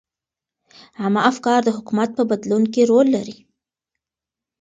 عامه افکار د حکومت په بدلون کې رول لري.